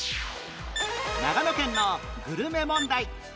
長野県のグルメ問題